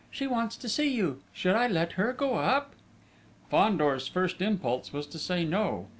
She wants to see you! Should I let her go up?" Fandor's first impulse was to say "no."